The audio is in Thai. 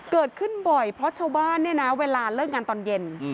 เกิดขึ้นบ่อยเพราะชาวบ้านเนี่ยนะเวลาเลิกงานตอนเย็น